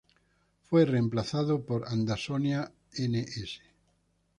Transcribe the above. Fue reemplazado por "Adansonia, n.s.